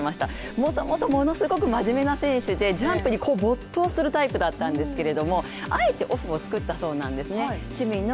元々ものすごく真面目な選手で没頭するタイプだったんですけれども、あえてオフを作ったそうなんですね。